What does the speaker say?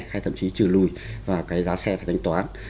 hay thậm chí trừ lùi và cái giá xe phải tính toán